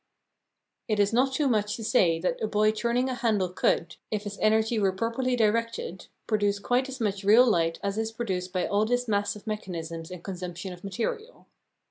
"It is not too much to say that a boy turning a handle could, if his energy were properly directed, produce quite as much real light as is produced by all this mass of mechanism and consumption of material."